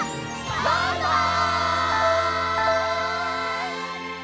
バイバイ！